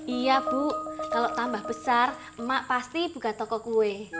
iya bu kalau tambah besar emak pasti buka toko kue